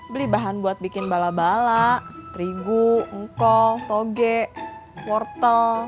beli bahan buat bikin bala bala terigu engkol toge wortel